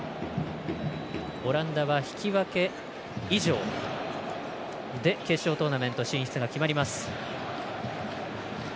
オランダは引き分け以上で決勝トーナメント進出が決まります。